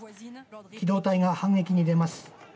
機動隊が反撃に出ます。